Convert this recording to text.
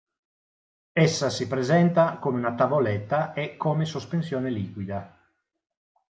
Essa si presenta come una tavoletta e come sospensione liquida.